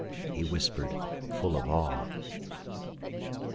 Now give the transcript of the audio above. he whispered, full of awe.